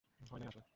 হয় নাই আসলে।